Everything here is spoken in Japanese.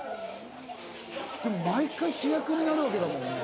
でも毎回主役になるわけだもんね。